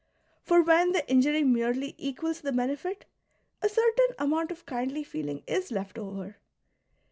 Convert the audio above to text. For when the injury merely equals the benefit, a certain amount of kindly feeling is left over.